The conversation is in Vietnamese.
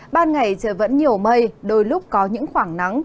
ban ngày trời vẫn nhiều mây đôi lúc có những khoảng nắng